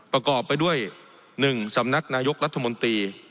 ประกอบไปด้วย๑สำนักนายกรัฐมนตรี